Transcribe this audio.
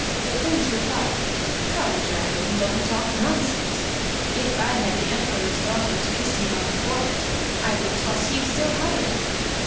The prince replied: "Come, dragon, don't talk nonsense; if I had the emperor's daughter to kiss me on the forehead, I would toss you still higher."